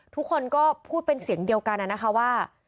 ทุกคนก็พูดเป็นเสียงเดียวกันนะคะว่า